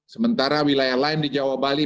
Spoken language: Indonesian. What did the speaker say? sementara wilayah lain di jawa bali